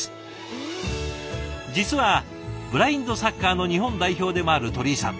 実はブラインドサッカーの日本代表でもある鳥居さん。